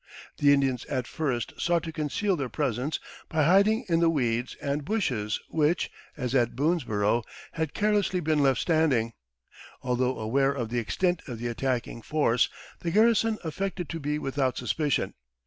The Indians at first sought to conceal their presence by hiding in the weeds and bushes which, as at Boonesborough, had carelessly been left standing. Although aware of the extent of the attacking force, the garrison affected to be without suspicion.